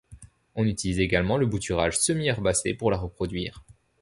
On utilise également le bouturage semi-herbacé pour la reproduire.